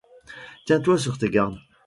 Tiens-toi sur tes gardes.